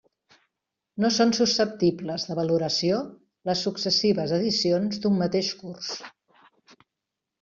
No són susceptibles de valoració les successives edicions d'un mateix curs.